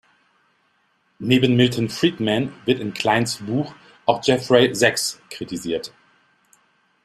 Neben Milton Friedman wird in Kleins Buch auch Jeffrey Sachs kritisiert.